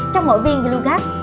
trong mỗi viên glugac